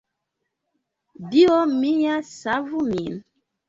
"Dio mia, savu min!"